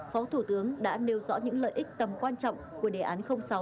phó thủ tướng đã nêu rõ những lợi ích tầm quan trọng của đề án sáu